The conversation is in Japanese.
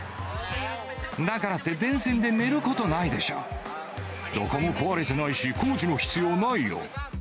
だからって電線で寝ることなどこも壊れてないし、工事の必要ないよ。